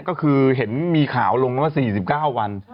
ก็คือเห็นมีข่าวลงกันว่า๔๙วัน